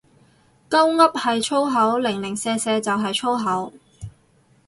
鳩噏係粗口，零零舍舍就係粗口